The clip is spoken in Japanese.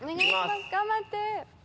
頑張って！